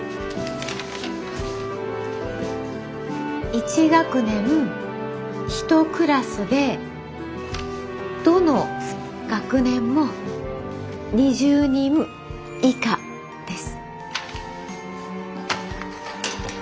１学年１クラスでどの学年も２０人以下です。